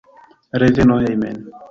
Reveno hejmen.